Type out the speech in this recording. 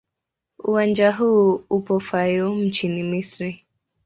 Uwanja huu upo Fayoum nchini Misri.